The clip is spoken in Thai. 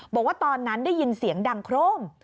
บอกว่าตอนนั้นได้ยินเสียงดังโครม